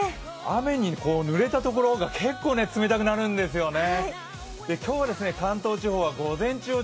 雨にぬれたところが結構冷たくなるんですよね。